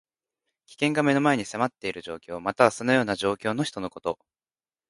危険が目の前に迫っている状況。または、そのような状況の人のこと。